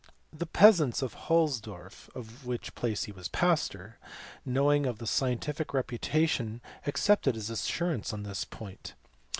The peasants of Holzdorf, of which place he was pastor, knowing of his scientific reputation ac cepted his assurance on this point.